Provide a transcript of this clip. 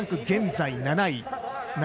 現在７位。